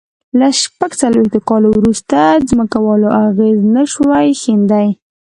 له شپږ څلوېښت کال وروسته ځمکوالو اغېز نه شوای ښندي.